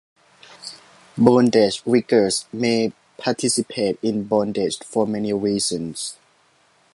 Bondage riggers may participate in bondage for many reasons.